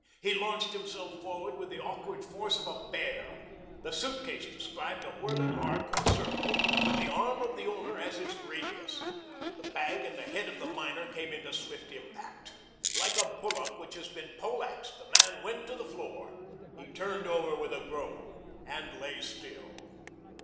He launched himself forward with the awkward force of a bear. The suitcase described a whirling arc of a circle with the arm of its owner as the radius. The bag and the head of the miner came into swift impact. Like a bullock which has been pole axed the man went to the floor. He turned over with a groan and lay still.